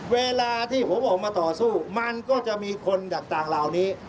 เวลาที่ผมออกมาต่อสู้มันก็จะมีคนต่างเหล่านี้